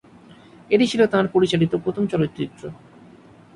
এটি ছিল তাঁর পরিচালিত প্রথম চলচ্চিত্র।